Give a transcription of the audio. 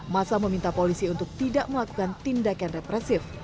masa meminta polisi untuk tidak melakukan tindakan represif